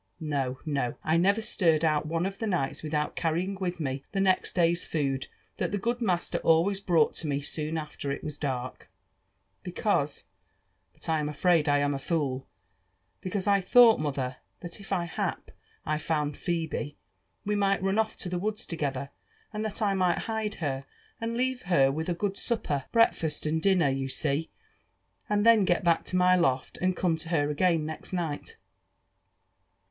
No, no, I never stirred out one of the nights without carrying with me the next day's food, that the good master always brought to me soon after it was dark —because — but I am afraid I am a fool — because I thought, mother, that if by hap I found Phebe, we might run off to the woods together, and that I might hide her, and leave her with a good supper, breakfast, and dinner, you see, and then get back to my loft, and come to her again next night."